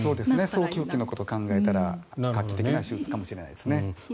早期復帰のことを考えたら画期的な手術かもしれないですね。